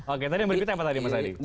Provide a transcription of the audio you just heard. oke tadi yang beribu ribu apa tadi mas adi